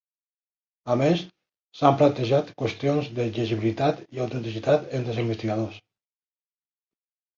A més, s'han plantejat qüestions de llegibilitat i autenticitat entre els investigadors.